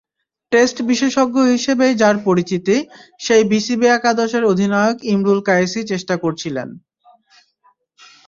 Test বিশেষজ্ঞ হিসেবেই যাঁর পরিচিতি, সেই বিসিবি একাদশের অধিনায়ক ইমরুল কায়েসই চেষ্টা করছিলেন।